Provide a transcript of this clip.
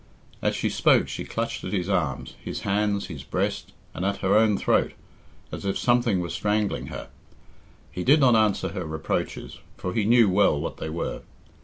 As she spoke she clutched at his arms, his hands, his breast, and at her own throat, as if something was strangling her. He did not answer her reproaches, for he knew well what they were.